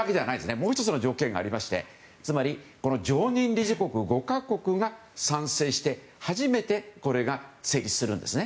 もう１つの条件がありまして常任理事国５か国が賛成して初めて成立するんですね。